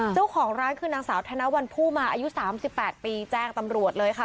เจ้าของร้านคือนางสาวธนวัลผู้มาอายุ๓๘ปีแจ้งตำรวจเลยค่ะ